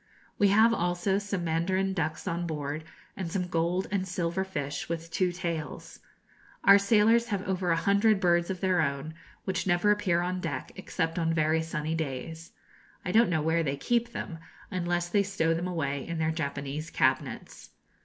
We have also some mandarin ducks on board, and some gold and silver fish with two tails. Our sailors have over a hundred birds of their own, which never appear on deck, except on very sunny days. I don't know where they can keep them, unless they stow them away in their Japanese cabinets.